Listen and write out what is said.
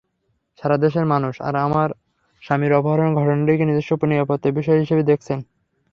সারা দেশের মানুষ আমার স্বামীর অপহরণের ঘটনাটিকে নিজস্ব নিরাপত্তার বিষয় হিসেবে দেখেছেন।